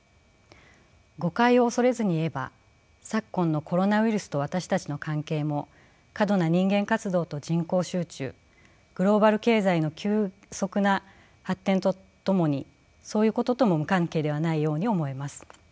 誤解を恐れずに言えば昨今のコロナウイルスと私たちの関係も過度な人間活動と人口集中グローバル経済の急速な発展とともにそういうこととも無関係ではないように思えます。